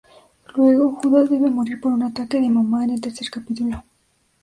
Luego, Judas debe morir por un ataque de Mamá en el tercer capítulo.